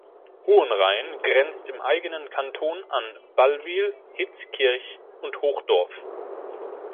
Hohenrain grenzt im eigenen Kanton an Ballwil, Hitzkirch und Hochdorf.